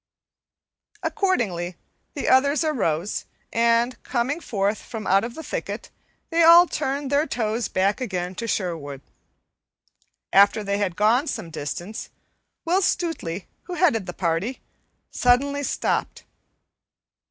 Accordingly, the others arose, and, coming forth from out the thicket, they all turned their toes back again to Sherwood. After they had gone some distance, Will Stutely, who headed the party, suddenly stopped.